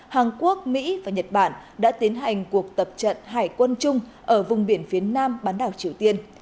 hàn quốc mỹ và nhật bản đã tiến hành cuộc tập trận hải quân chung ở vùng biển phía nam bán đảo triều tiên